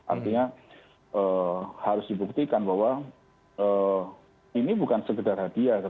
artinya harus dibuktikan bahwa ini bukan sekedar hadiah